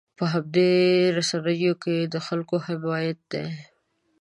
په همدې رسنیو کې د خلکو حمایت دی.